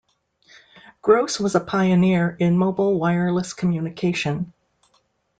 Gross was a pioneer in mobile wireless communication.